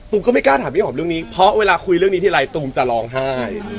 ก็ไม่กล้าถามพี่หอมเรื่องนี้เพราะเวลาคุยเรื่องนี้ทีไรตูมจะร้องไห้